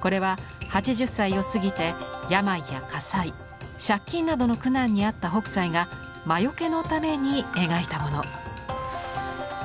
これは８０歳を過ぎて病や火災借金などの苦難に遭った北斎が魔よけのために描いたもの。